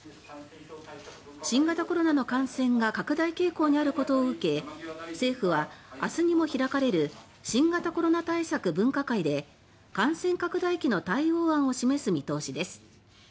新型コロナの感染が拡大傾向にあることを受け政府は、明日にも開かれる新型コロナ対策分科会で感染拡大期の対応案を示す見通しです。